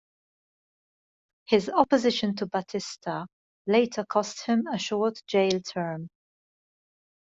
His opposition to Batista later cost him a short jail term.